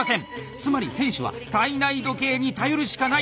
つまり選手は体内時計に頼るしかない。